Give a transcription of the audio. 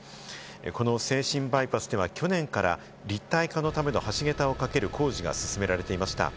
この静清バイパスでは、去年から立体化のための橋げたをかける工事が進められていました。